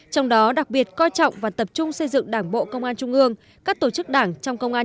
trong đó đặc biệt coi trọng và tập trung xây dựng đảng bộ công an trung ương các tổ chức đảng trong công an